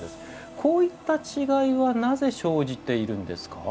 こういった違いはなぜ生じているんですか。